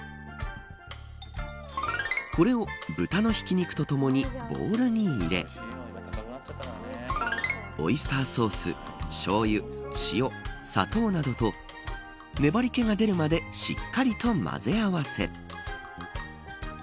これを豚のひき肉とともにボウルに入れオイスターソース、しょうゆ塩、砂糖などと粘り気が出るまでしっかりと混ぜ合わせ。